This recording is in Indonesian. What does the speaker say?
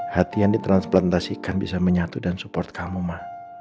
hati yang ditransplantasikan bisa menyatu dan support kamu mah